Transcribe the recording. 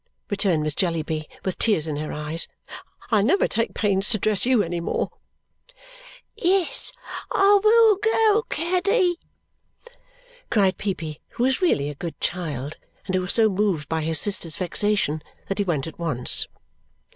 returned Miss Jellyby with tears in her eyes. "I'll never take pains to dress you any more." "Yes, I will go, Caddy!" cried Peepy, who was really a good child and who was so moved by his sister's vexation that he went at once.